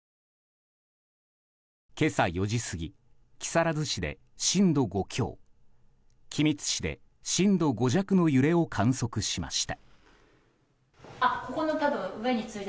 今朝４時過ぎ木更津市で震度５強君津市で震度５弱の揺れを観測しました。